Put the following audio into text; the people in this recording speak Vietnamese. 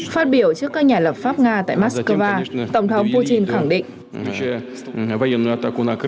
phát biểu trước các nhà lập pháp nga tại moscow tổng thống putin khẳng định